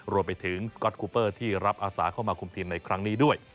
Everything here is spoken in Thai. รวมไปถึงสก๊อตคูเปอร์ที่รับอาสาเข้ามาคุมทีมในครั้งนี้ด้วย